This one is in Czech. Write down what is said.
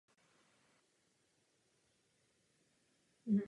Uruguay nezískal žádnou medaili.